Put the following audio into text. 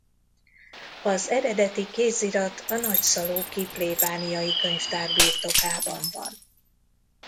Az eredeti kézirat a nagy-szalóki plébániai könyvtár birtokában van.